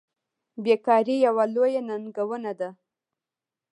بیکاري یوه لویه ننګونه ده.